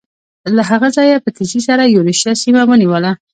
له هغه ځایه یې په تېزۍ سره یورشیا سیمه ونیوله.